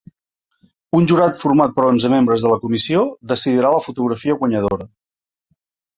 Un jurat format per onze membres de la comissió decidirà la fotografia guanyadora.